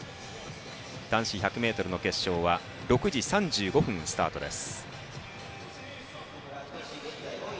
男子１００ｍの決勝は６時３５分スタートです。